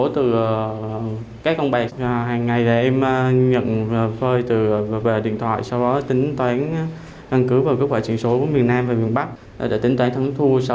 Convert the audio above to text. tính tiền thắng thu theo kết quả trường số